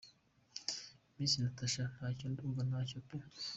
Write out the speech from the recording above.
Miss Natacha : Ntacyo ; ndumva ntacyo pe !.